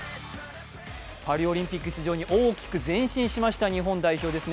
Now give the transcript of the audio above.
パリオリンピック出場に大きく前進しました日本代表です。